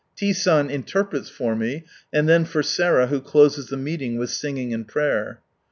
T. San interprets for me, and then for Sarah who closes the meeting with singing and prayer.